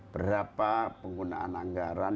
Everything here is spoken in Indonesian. berapa penggunaan anggaran